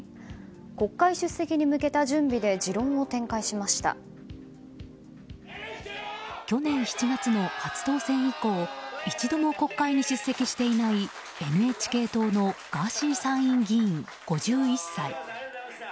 国会出席に向けた準備で去年７月の初当選以降一度も国会に出席していないＮＨＫ党のガーシー参議院議員５１歳。